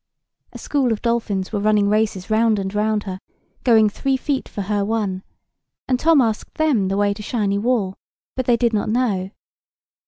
A school of dolphins were running races round and round her, going three feet for her one, and Tom asked them the way to Shiny Wall: but they did not know.